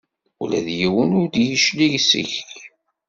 Ula d yiwen ur d-yeclig seg-k.